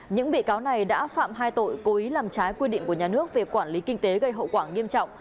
những bị cáo này đã phạm hai tội cố ý làm trái quy định của nhà nước về quản lý kinh tế gây hậu quả nghiêm trọng